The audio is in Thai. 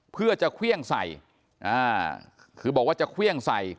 เพื่อจะเครื่องใส่อ่าคือบอกว่าจะเครื่องใส่